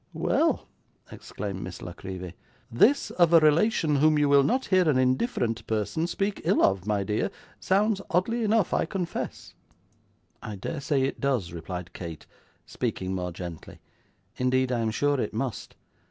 'Well!' exclaimed Miss La Creevy. 'This of a relation whom you will not hear an indifferent person speak ill of, my dear, sounds oddly enough, I confess.' 'I dare say it does,' replied Kate, speaking more gently, 'indeed I am sure it must.